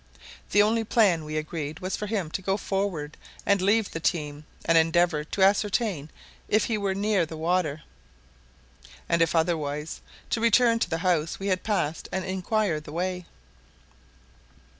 The only plan, we agreed, was for him to go forward and leave the team, and endeavour to ascertain if he were near the water, and if otherwise, to return to the house we had passed and inquire the way.